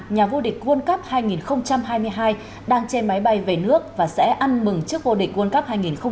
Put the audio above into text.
nhà vô địch world cup hai nghìn hai mươi hai đang trên máy bay về nước và sẽ ăn mừng trước vô địch world cup hai nghìn hai mươi